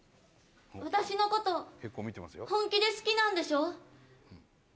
私のこと本気で好きなんでしょ？